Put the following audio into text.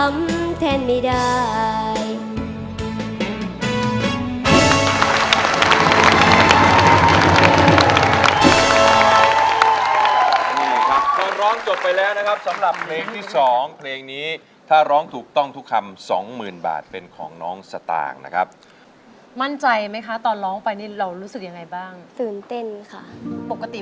ไม่ใช่แฟนทำแทนไม่ได้